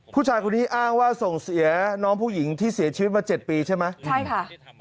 ผู้ชายคนนี้อ้างว่าส่งเสียน้องผู้หญิงที่เสียชีวิตมา๗ปีใช่ไหมใช่ค่ะ